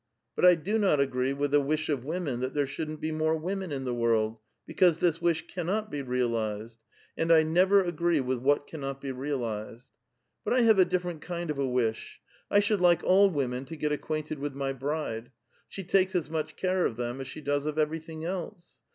But I do not agree with the wish of women that there shouldn't be more women in the world, be cause this wish cannot be realized ; and I never agree with what cannot be realized. But I have a ditferent kind of a wish : I should like all women to get acquainted with my bride ; she takes as much care of them as she does of every thing: else.